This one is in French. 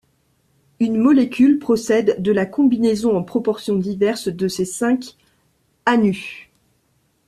Une molécule procède de la combinaison en proportion diverse de ces cinq aṇu.